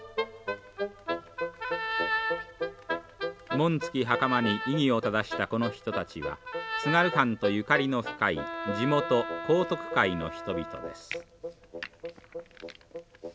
紋付きはかまに威儀を正したこの人たちは津軽藩とゆかりの深い地元こうとく会の人々です。